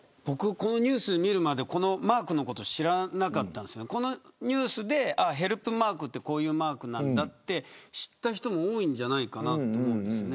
僕、このニュースを見るまでこのマークのこと知らなかったんですけどこのニュースでヘルプマークってこういうマークなんだと知った人も多いんじゃないかと思います。